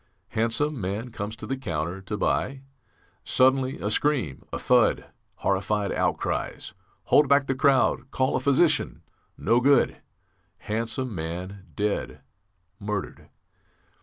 Handsome man comes to the counter to buy. Suddenly a scream, a thud, horrified outcries. Hold back the crowd! Call a physician! No good; handsome man, dead, murdered.